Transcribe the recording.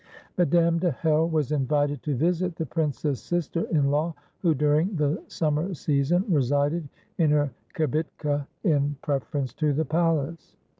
Madame de Hell was invited to visit the prince's sister in law, who, during the summer season, resided in her kibitka in preference to the palace.